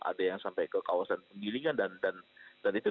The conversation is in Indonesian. ada yang sampai ke kawasan penggilingan dan itu